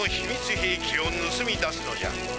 へいきをぬすみ出すのじゃ。